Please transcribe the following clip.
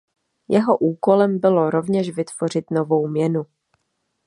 Jeho úkolem bylo rovněž vytvořit novou měnu.